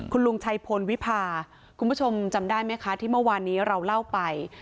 คุณลุงชัยพลวิพาคุณผู้ชมจำได้ไหมคะที่เมื่อวานนี้เราเล่าไป